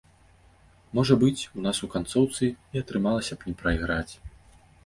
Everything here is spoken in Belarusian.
Можа быць, у нас у канцоўцы і атрымалася б не прайграць.